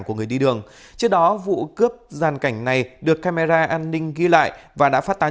của người đi đường trước đó vụ cướp giàn cảnh này được camera an ninh ghi lại và đã phát tán